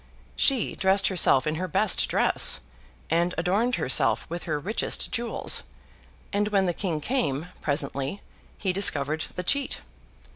She dressed herself in her best dress, and adorned herself with her richest jewels; and when the King came, presently, he discovered the cheat.